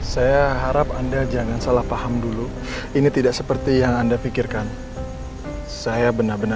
semoga rusia tidak kepung teka bron